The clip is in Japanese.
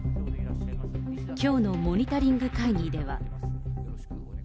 きょうのモニタリング会議では。